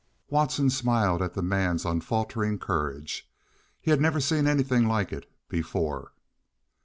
Watson smiled at the man's unfaltering courage. He had never seen anything like it before.